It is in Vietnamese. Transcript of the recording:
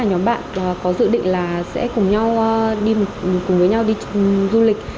với nhóm bạn có dự định là sẽ cùng nhau đi du lịch